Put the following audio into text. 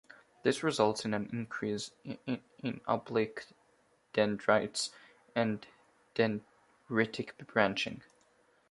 This results in an increase in oblique dendrites and dendritic branching.